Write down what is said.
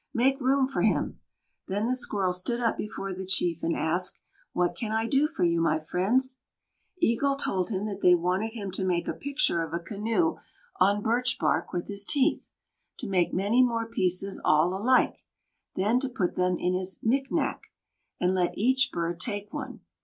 Make room for him!" Then the Squirrel stood up before the chief and asked: "What can I do for you, my friends?" Eagle told him that they wanted him to make a picture of a canoe on birch bark with his teeth; to make many more pieces all alike; then to put them in his "miknakq," and let each bird take one.